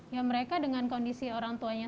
ya mereka dengan kondisi orang tuanya